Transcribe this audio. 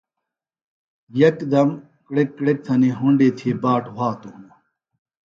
یکدم کِڑکک کِڑکک تھنیۡ ہُونڈی تھی باٹ وھاتوۡ ہِنوۡ